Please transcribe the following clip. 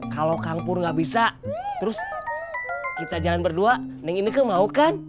kalau kang pur enggak bisa terus kita jalan berdua neng ineke mau kan